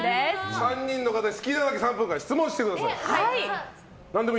３人の方に好きなだけ３分間、質問してください。